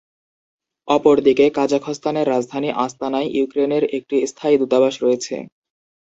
অপরদিকে, কাজাখস্তানের রাজধানী আস্তানায়, ইউক্রেনের একটি স্থায়ী দূতাবাস রয়েছে।